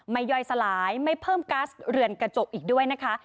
ย่อยสลายไม่เพิ่มกัสเรือนกระจกอีกด้วยนะคะ